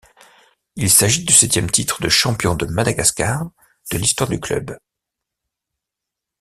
Il s'agit du septième titre de champion de Madagascar de l’histoire du club.